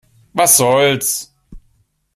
Was soll's?